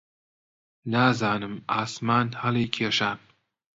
نازانم عاسمان هەڵیکێشان؟